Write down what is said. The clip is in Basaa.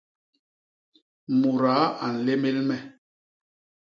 Mudaa a nlémél me.